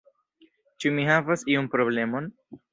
Ĉu mi havas iun problemon?